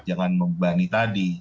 jangan membebani tadi